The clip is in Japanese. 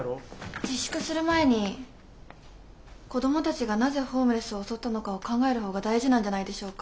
自粛する前に子供たちがなぜホームレスを襲ったのかを考える方が大事なんじゃないでしょうか。